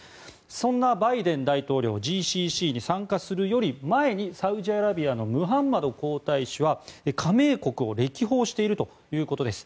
そんなバイデン大統領ＧＣＣに参加するより前にサウジアラビアがムハンマド皇太子は加盟国を歴訪しているということです。